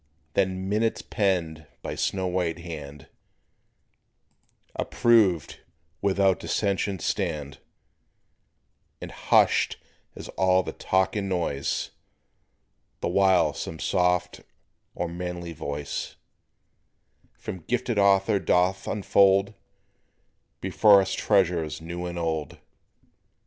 Then "minutes" penned by snow white hand, Approved without dissension stand; And hushed is all the talk and noise The while some soft or manly voice From gifted author doth unfold Before us treasures new and old.